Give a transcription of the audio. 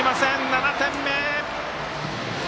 ７点目。